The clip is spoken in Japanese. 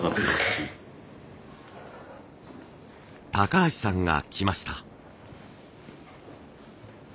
橋さんが来ました。